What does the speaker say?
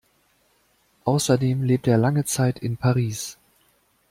Außerdem lebte er lange Zeit in Paris.